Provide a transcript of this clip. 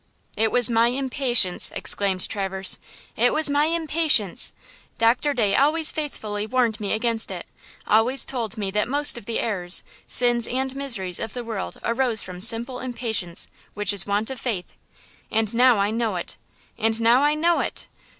"It was my impatience!" exclaimed Traverse. "It was my impatience! Doctor Day always faithfully warned me against it; always told me that most of the errors, sins and miseries of the world arose from simple impatience, which is want of faith. And now I know it! And now I know it!